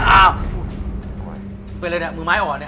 อ้าวเป็นอะไรเนี่ยมือไม้อ่อนเนี่ย